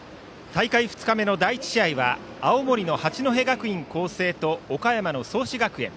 大会２日目の第１試合は青森の八戸学院光星と岡山の創志学園。